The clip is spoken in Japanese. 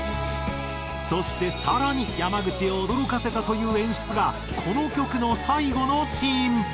そして更に山口を驚かせたという演出がこの曲の最後のシーン。